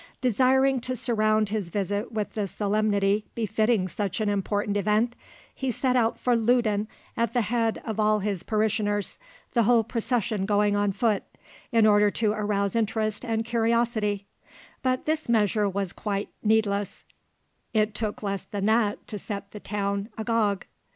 Desiring to surround his visit with the solemnity befitting such an important event, he set out for Loudun at the head of all his parishioners, the whole procession going on foot, in order to arouse interest and curiosity; but this measure was quite needless it took less than that to set the town agog.